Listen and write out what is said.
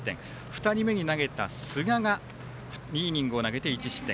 ２人目に投げた寿賀が２イニング投げて１失点。